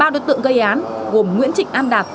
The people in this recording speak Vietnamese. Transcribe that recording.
ba đối tượng gây án gồm nguyễn trịnh an đạt